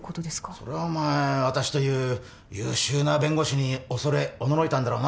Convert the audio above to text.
それはお前私という優秀な弁護士に恐れおののいたんだろうな